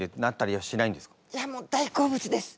いやもう大好物です！